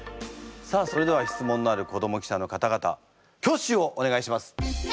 さあそれでは質問のある子ども記者の方々挙手をお願いします。